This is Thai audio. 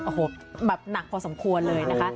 โอ้โหแบบหนักพอสมควรเลยนะคะ